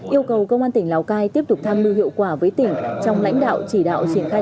yêu cầu công an tỉnh lào cai tiếp tục tham mưu hiệu quả với tỉnh trong lãnh đạo chỉ đạo triển khai